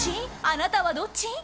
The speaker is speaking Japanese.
あなたはどっち？